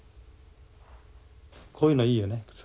こういうのいいよね。